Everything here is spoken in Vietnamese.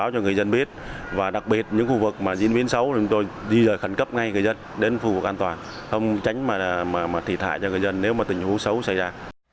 không tránh thủy thải cho người dân nếu tình huống xấu xảy ra